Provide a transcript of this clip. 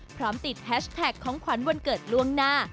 พร้อมติดแฮชแท็กของขวัญวันเกิดล่วงหน้า